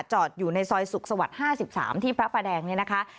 จอดอยู่ในซอยสุขสวรรค์๕๓ที่พระประแดงเนี่ยนะคะ